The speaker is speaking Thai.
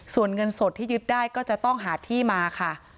ส่วนเงินสดที่ยึดได้ก็จะต้องหาที่มาค่ะ